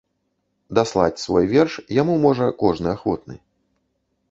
Даслаць свой верш яму можа кожны ахвотны.